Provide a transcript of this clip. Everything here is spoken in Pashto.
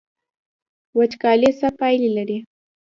وچکالي څه پایلې لري؟